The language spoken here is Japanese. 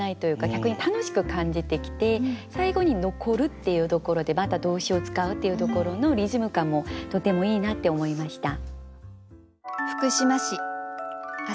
逆に楽しく感じてきて最後に「残る」っていうところでまた動詞を使うっていうところのリズム感もとてもいいなって思いました。